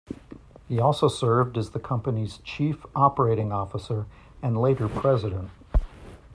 He also served as the company's chief operating officer and later president.